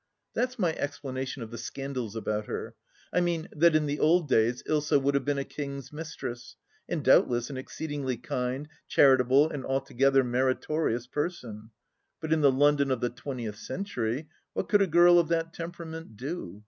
That's my explanation of the scandals about her. I mean, that in the old days Ilsa would have been a king's mistress, and doubtless an exceed ingly kind, charitable, and altogether meritorious person; but in the London of the twentieth century, what could a girl of that temperament do